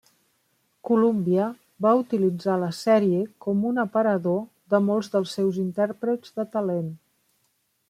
Columbia va utilitzar la sèrie com un aparador de molts dels seus intèrprets de talent.